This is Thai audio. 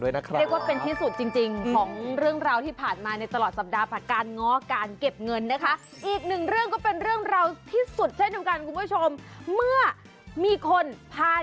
ฮ่าฮ่าฮ่าฮ่าฮ่าฮ่าฮ่าฮ่าฮ่าฮ่าฮ่าฮ่า